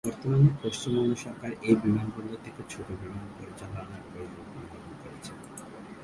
বর্তমানে পশ্চিমবঙ্গ সরকার এই বিমানবন্দর থেকে ছোট বিমান পরিচালনার পরিকল্পনা গ্রহণ করেছে।